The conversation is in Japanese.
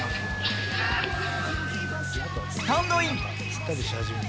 スタンドイン。